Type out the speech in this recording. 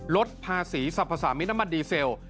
ลดภาษีสรรพสามิตน้ำมันดีเซล